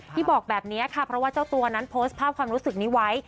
บอกแบบนี้ค่ะเพราะว่าเจ้าตัวนั้นโพสต์ภาพความรู้สึกนี้ไว้